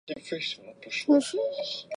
丰蒂安人口变化图示